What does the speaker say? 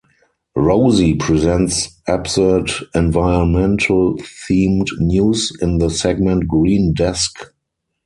Rosy presents absurd environmental-themed news in the segment Green Desk.